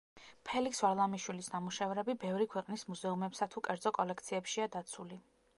ფელიქს ვარლამიშვილის ნამუშევრები ბევრი ქვეყნის მუზეუმებსა თუ კერძო კოლექციებშია დაცული.